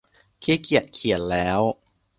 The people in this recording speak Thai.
ขี้เกียจเขียนแล้ว